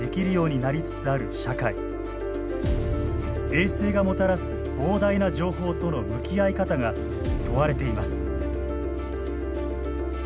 衛星がもたらす膨大な情報との向き合い方が問われています。